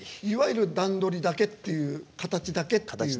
いわゆる段取りだけっていう形だけっていう。